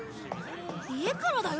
家からだよ。